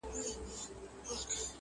کله هسک ته کله ستورو ته ختلای؛